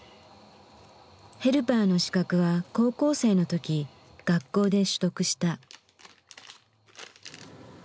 ヘルパーの資格は高校生の時学校で取得した。